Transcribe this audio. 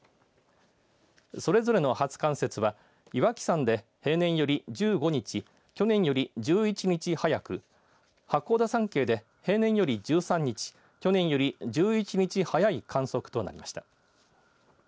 それぞれの初冠雪は岩木山で平年より１５日去年より１１日早く八甲田山系で、平年より１３日去年より１１日早い観測となりました。